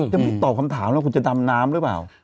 จะไม่ตอบคำถามแล้วคุณจะดำน้ำหรือเปล่า